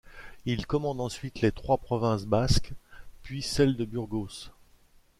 Il commande ensuite les trois provinces basques, puis celle de Burgos.